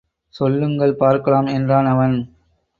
சொல்லுங்கள் பார்க்கலாம் என்றான் அவன்.